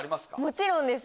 もちろんです！